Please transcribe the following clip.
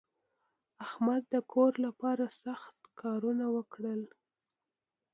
احمد د کور لپاره سخت کارونه وکړل.